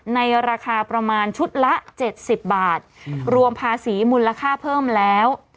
ในราคาประมาณชุดละ๗๐บาทรวมภาษีมูลค่าเพิ่มแล้ว